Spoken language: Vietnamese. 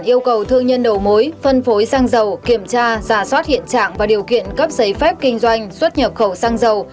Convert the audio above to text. yêu cầu thương nhân đầu mối phân phối xăng dầu kiểm tra giả soát hiện trạng và điều kiện cấp giấy phép kinh doanh xuất nhập khẩu xăng dầu